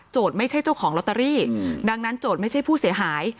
ไม่ใช่เจ้าของลอตเตอรี่ดังนั้นโจทย์ไม่ใช่ผู้เสียหาย